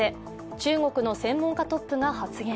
中国の専門家トップが発言。